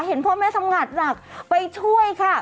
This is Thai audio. เห็นพ่อแม่ทำงานหนักไปช่วยค่ะ